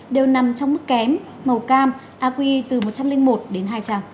đều nằm trong mức kém màu cam aqi từ một trăm linh một đến hai trăm linh